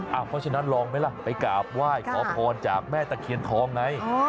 เพราะฉะนั้นลองไหมล่ะไปกราบไหว้ขอพรจากแม่ตะเคียนทองไง